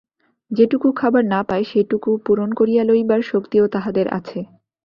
যেটুকু খবর না পায় সেটুকু পূরণ করিয়া লইবার শক্তিও তাহাদের আছে।